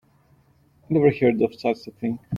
Never heard of such a thing.